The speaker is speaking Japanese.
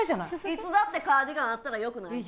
いつだってカーディガンあったらよくない？